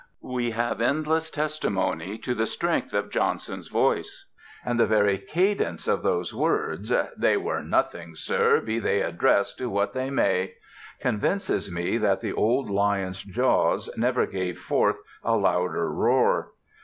We have endless testimony to the strength of Johnson's voice; and the very cadence of those words, "They were nothing, Sir, be they addressed to what they may," convinces me that the old lion's jaws never gave forth a louder roar.